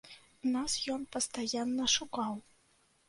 Нас ён пастаянна шукаў.